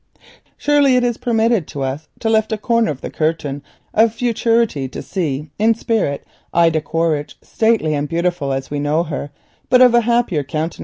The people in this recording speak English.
Surely it is permitted to us to lift a corner of the curtain of futurity and in spirit see Ida Quaritch, stately and beautiful as we knew her, but of a happier countenance.